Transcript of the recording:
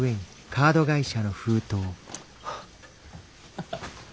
ハハッ！